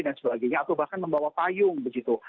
atau bahkan membawa tayung begitu